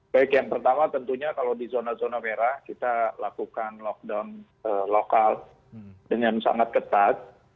baik yang pertama tentunya kalau di zona zona merah kita lakukan lockdown lokal dengan sangat ketat